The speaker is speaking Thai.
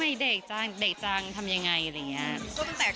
ตั้งแต่เข้าวงการเนี่ยมันจะอยู่ประมาณสามสิบปีใช่ไหม